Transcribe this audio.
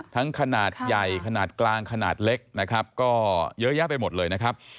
ขนาดใหญ่ขนาดกลางขนาดเล็กนะครับก็เยอะแยะไปหมดเลยนะครับ